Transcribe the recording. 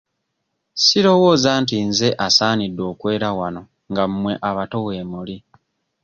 Sirowooza nti nze asaanidde okwera wano nga mmwe abato weemuli.